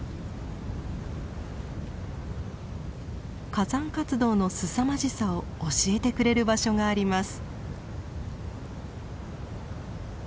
火山活動のすさまじさを教えてくれる場所があります。